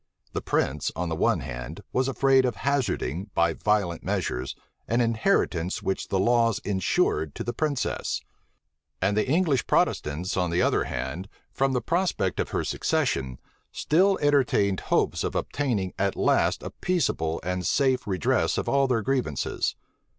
The prince, on the one hand, was afraid of hazarding, by violent measures, an inheritance which the laws insured to the princess; and the English Protestants, on the other, from the prospect of her succession, still entertained hopes of obtaining at last a peaceable and a safe redress of all their grievances.